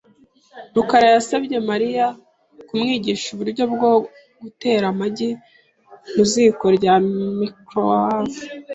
rukara yasabye Mariya kumwigisha uburyo bwo gutera amagi mu ziko rya microwave .